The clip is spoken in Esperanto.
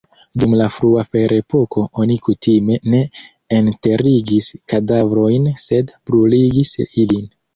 Dum la frua ferepoko oni kutime ne enterigis kadavrojn, sed bruligis ilin.